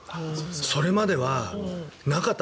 それまではなかった。